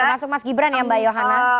termasuk mas gibran ya mbak yohana